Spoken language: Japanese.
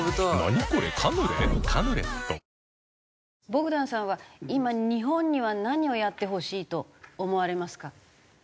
ボグダンさんは今日本には何をやってほしいと思われますか？